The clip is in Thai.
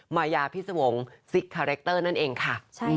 มายาพิสวงศ์ซิกคาแรคเตอร์นั่นเองค่ะ